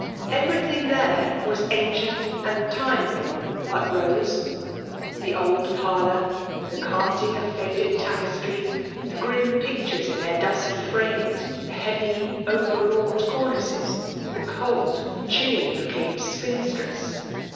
Every thing there was ancient and time worn but Bose ;— the old parlour, the carpeting of faded ta* peatry, the grim pictures in their dusky firamei^ the heary, overwrought cornices, the cold^ chilly looking spinstress.